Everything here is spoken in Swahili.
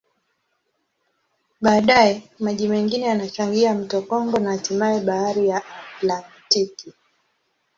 Baadaye, maji mengine yanachangia mto Kongo na hatimaye Bahari ya Atlantiki.